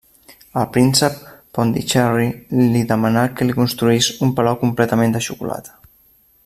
El príncep Pondicherry li demanà que li construís un palau completament de xocolata.